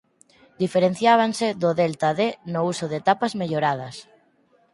Diferenciábanse do Delta D no uso de etapas melloradas.